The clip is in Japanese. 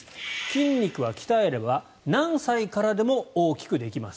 筋肉は鍛えれば何歳からでも大きくできます